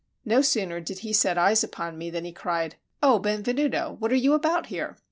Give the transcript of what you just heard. No sooner did he set eyes upon me than he cried, "O Benvenuto, what are you about here?"